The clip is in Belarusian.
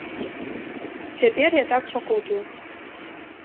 Цяпер я так пакутую.